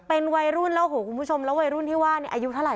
เป็นวัยรุ่นแล้วคุณผู้ชมแล้ววัยรุ่นที่ว่าในอายุเท่าไหร่